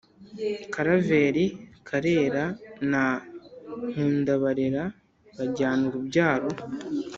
Karaveri Karera Na Nkundabarera Bajyana urubyaro,